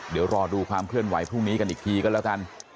เดี๋ยวรอดูความเคลื่อนไหวพรุ่งนี้กันอีกทีก็แล้วกัน